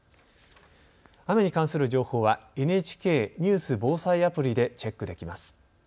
雨に関する情報はＮＨＫニュース・防災アプリでチェックできます。